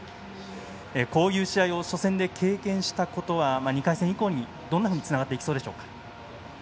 こういう試合を初戦で経験したことは２回戦以降にどんなふうにつながっていきそうでしょうか。